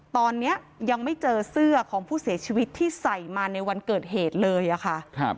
ตอนนี้ยังไม่เจอเสื้อของผู้เสียชีวิตที่ใส่มาในวันเกิดเหตุเลยอะค่ะ